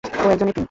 ও একজন এতিম।